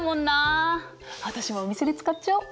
私もお店で使っちゃおう！